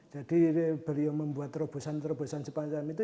jadi beliau membuat terobosan terobosan jepang jepang itu